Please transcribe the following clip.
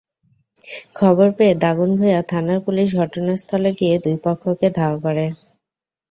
খবর পেয়ে দাগনভূঞা থানার পুলিশ ঘটনাস্থলে গিয়ে দুই পক্ষকে ধাওয়া করে।